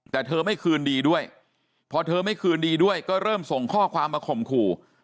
แต่เธอไม่คืนดีด้วยพอเธอไม่คืนดีด้วยก็เริ่มส่งข้อความมาข่มขู่